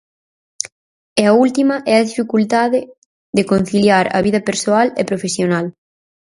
E a última é a dificultade de conciliar a vida persoal e profesional.